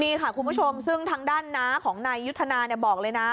นี่ค่ะคุณผู้ชมซึ่งทางด้านน้าของนายยุทธนาบอกเลยนะ